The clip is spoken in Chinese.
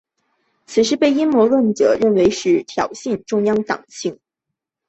此事被阴谋论者认为是挑衅中共党庆。